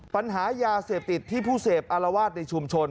ปัญหายาเสพติดที่ผู้เสพอารวาสในชุมชน